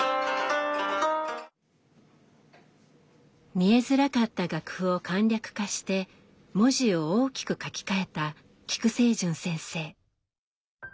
見えづらかった楽譜を簡略化して文字を大きく書き換えた菊聖純先生。